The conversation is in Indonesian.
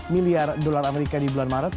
satu dua belas miliar dolar amerika di bulan maret